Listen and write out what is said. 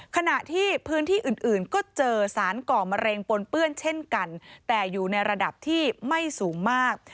ขณะที่พื้นที่อื่นอื่นก็เจอสารก่อมะเร็งปนเปื้อนเช่นกันแต่อยู่ในระดับที่ไม่สูงมาก